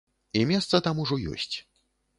І месца там ужо ёсць.